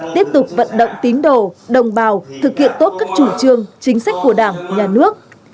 tiếp tục vận động tín đồ đồng bào thực hiện tốt các chủ trương chính sách của đảng nhà nước